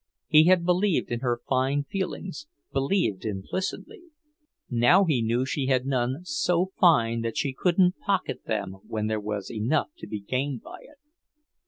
He had believed in her fine feelings; believed implicitly. Now he knew she had none so fine that she couldn't pocket them when there was enough to be gained by it.